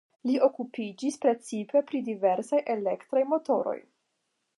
Li okupiĝis precipe pri diversaj elektraj motoroj.